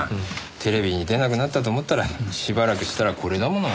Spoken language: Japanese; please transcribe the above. テレビに出なくなったと思ったらしばらくしたらこれだもの。